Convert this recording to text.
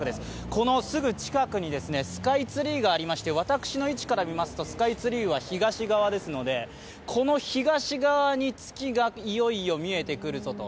このすぐ近くにスカイツリーがありまして、私の位置から見ますと、スカイツリーは東側ですので、この東側に月がいよいよ見えてくるぞと。